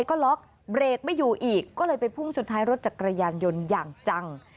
ก็เลยไปพุ่งสุดท้ายรถจากกระยันยนต์อย่างจัง